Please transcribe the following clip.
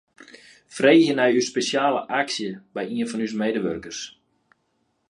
Freegje nei ús spesjale aksje by ien fan ús meiwurkers.